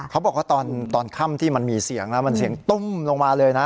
เขาบอกว่าตอนค่ำที่มันมีเสียงนะมันเสียงตุ้มลงมาเลยนะ